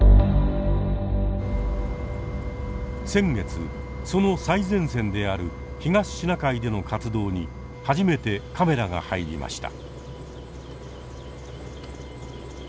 先月その最前線である東シナ海での活動に初めてカメラが入りました。